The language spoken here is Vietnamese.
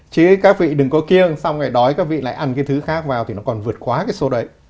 chứ các vị đừng có kiêng xong lại đói các vị lại ăn cái thứ khác vào thì nó còn vượt quá cái số đấy